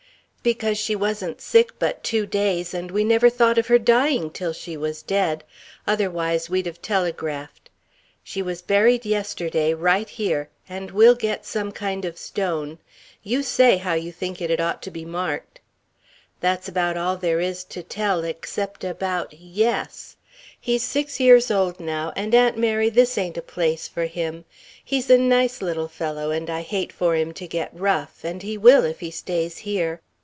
because she wasn't sick but two days and we never thought of her dying till she was dead. Otherwise we'd have telegraphed. She was buried yesterday, right here, and we'll get some kind of stone. You say how you think it'd ought to be marked. That's about all there is to tell except about Yes. He's six years old now and Aunt Mary this ain't a place for him. He's a nice little fellow and I hate for him to get rough and he will if he stays here.